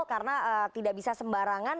karena tidak bisa sembarangan